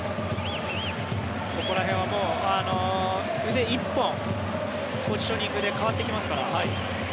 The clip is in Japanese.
ここら辺は腕１本ポジショニングで変わってきますから。